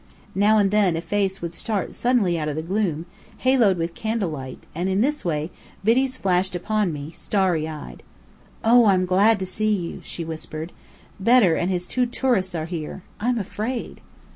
Now and then a face would start suddenly out of the gloom, haloed with candle light: and in this way, Biddy's flashed upon me, starry eyed. "Oh, I'm glad to see you!" she whispered. Bedr and his two tourists are here. I'm afraid!"